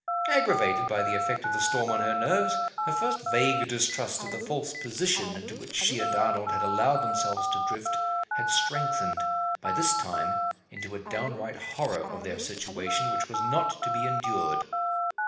Aggravated by the effect of the storm on her nerves, her first vague distrust of the false position into which she and Arnold had allowed themselves to drift had strengthened, by this time, into a downright horror of their situation which was not to be endured.